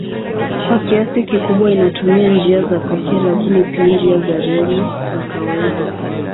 Kwa kiasi kikubwa inatumia njia za pekee lakini pia njia za reli ya kawaida.